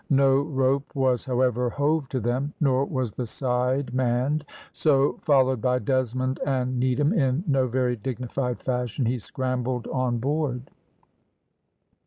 No rope was however hove to them, nor was the side manned; so, followed by Desmond and Needham in no very dignified fashion, he scrambled on board.